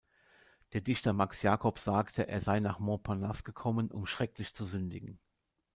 Der Dichter Max Jacob sagte, er sei nach Montparnasse gekommen, um „schrecklich zu sündigen“.